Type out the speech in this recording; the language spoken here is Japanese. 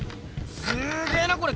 すげえなこれ！